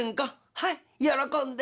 「はい喜んで。